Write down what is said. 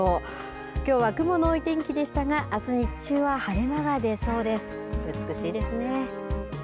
きょうは雲の多い天気でしたがあす、日中は晴れ間が出そうです。